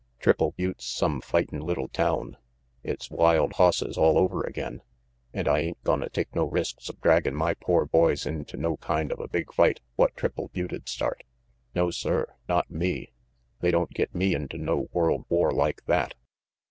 "Triple Butte's some fightin' little town. It's wild hosses all over again, and I ain't gonna take no risks of draggin' my pore boys into no kind of a big fight what Triple Butte'd start. No sir, not me. They don't get me into no world war like that."